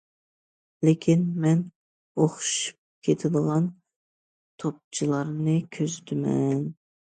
لېكىن مەن ئوخشىشىپ كېتىدىغان توپچىلارنى كۆزىتىمەن.